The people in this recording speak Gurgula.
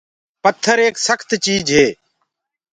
پٿر ايڪ سکت چيٚج هي۔